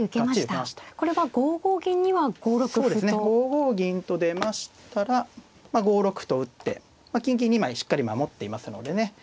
５五銀と出ましたら５六歩と打って金銀２枚しっかり守っていますのでね